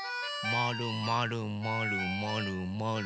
まるまるまるまるまる。